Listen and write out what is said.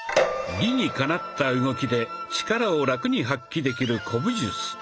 理にかなった動きで力をラクに発揮できる古武術。